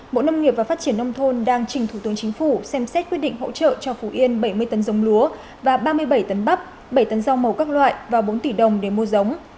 bộ nông nghiệp và phát triển nông thôn đang trình thủ tướng chính phủ xem xét quyết định hỗ trợ cho phú yên bảy mươi tấn giống lúa và ba mươi bảy tấn bắp bảy tấn rau màu các loại và bốn tỷ đồng để mua giống